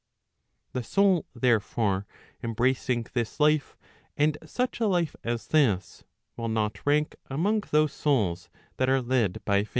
The soul, therefore, embracing this life, and such a life as this, will not rank among those souls that are led by Fate.